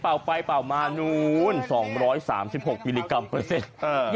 เบาไปเบามามานู๋นสองร้อยสามสิบหกมิลลิกรัมมานู๋นสองร้อยสามสิบหก